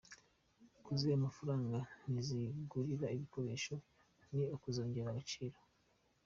Kuziha amafaranga zikigurira ibikoresho ni ukuzongerera agaciro.